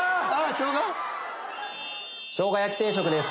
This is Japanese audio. しょうが焼定食です。